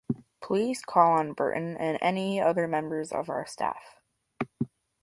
Please call on Burton and any other members of our staff.